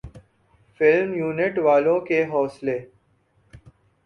film unit والوں کے حوصلے